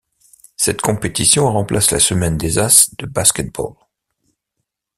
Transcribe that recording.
Cette compétition remplace la Semaine des As de basket-ball.